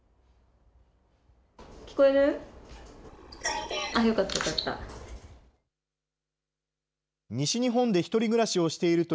聞こえる？